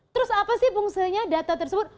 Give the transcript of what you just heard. terus apa sih fungsinya data tersebut